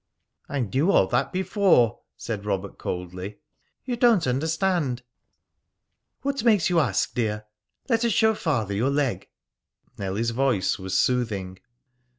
"I knew all that before," said Robert coldly. "You don't understand." "What makes you ask, dear? Let us show Father your leg." Nellie's voice was soothing.